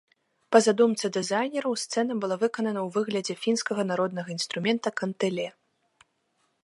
Па задумцы дызайнераў, сцэна была выканана ў выглядзе фінскага народнага інструмента кантэле.